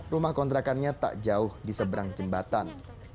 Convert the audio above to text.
rumah kontrakannya tak jauh diseberang jembatan